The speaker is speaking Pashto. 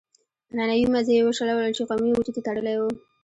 عنعنوي مزي يې وشلول چې قومي وجود يې تړلی و.